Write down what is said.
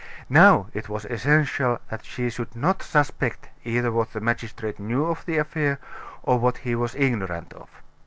Now, it was essential that she should not suspect either what the magistrate knew of the affair, or what he was ignorant of.